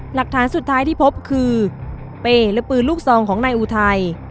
หลักฐานสุดท้ายที่พบคือเป้และปืนลูกซองของนายอุทัย